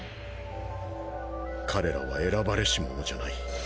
彼らは選ばれし者じゃない。